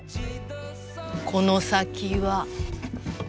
この先は。